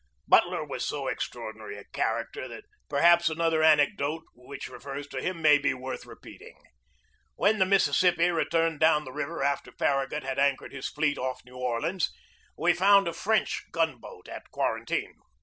Butler was so extraordinary a character that per haps another anecdote which refers to him may be worth repeating. When the Mississippi returned down the river after Farragut had anchored his fleet off New Orleans, we found a French gun boat at quarantine.